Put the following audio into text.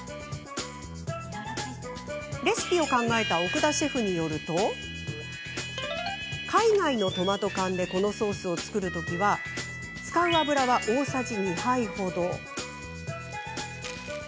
レシピを考えた奥田シェフによると海外のトマト缶でこのソースを作るときは使う油は、大さじ２杯ほど。